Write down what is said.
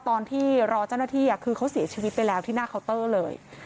ตอนที่รอเจ้าหน้าที่คือเขาเสียชีวิตไปแล้วที่หน้าเคาน์เตอร์เลย